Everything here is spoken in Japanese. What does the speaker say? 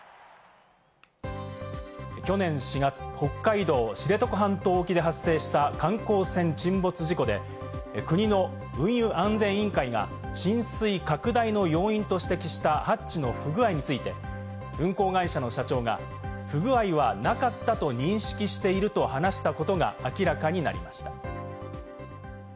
去年４月、北海道知床半島沖で発生した観光船沈没事故で、国の運輸安全委員会が浸水拡大の要因と指摘したハッチの不具合について運航会社の社長が、不具合はなかったと認識していると話したことが明らかになりました。